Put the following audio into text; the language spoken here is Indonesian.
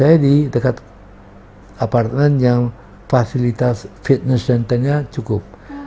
saya di dekat apartemen yang fasilitas fitness centernya cukup